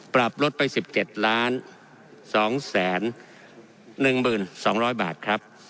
ปรับลดไป๑๗๒๑๒๐๐บาทครับ